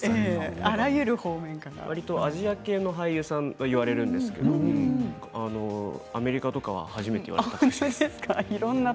わりと、アジア系の俳優さんは言われるんですけれどアメリカとかは初めてです。